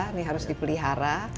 ini harus dipelihara